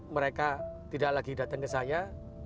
mereka tidak lagi datang ke saya